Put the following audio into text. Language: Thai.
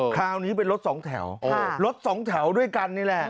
คราวนี้เป็นรถสองแถวรถสองแถวด้วยกันนี่แหละ